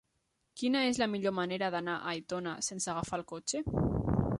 Quina és la millor manera d'anar a Aitona sense agafar el cotxe?